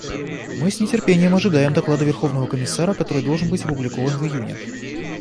Мы с нетерпением ожидаем доклада Верховного комиссара, который должен быть опубликован в июне.